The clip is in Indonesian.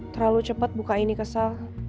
terlalu cepat buka ini kesal